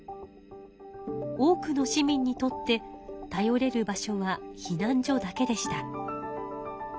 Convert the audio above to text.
多くの市民にとって頼れる場所は避難所だけでした。